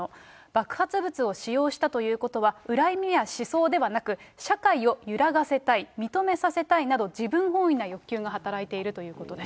爆発物を使用したということは、恨みや思想ではなく、社会を揺らがせたい、認めさせたいなど、自分本位な欲求が働いているということです。